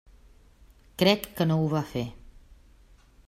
Crec que no ho va fer.